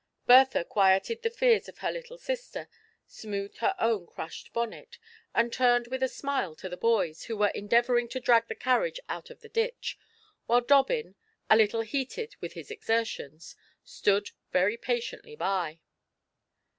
Bertha quieted the fears of her little sister, smoothed her own crushed bonnet, and turned with a smile to the boys, who were endeavouring to drag the carriage out of the ditch, while Dobbin, a little heated with his exertions, stood very patiently by.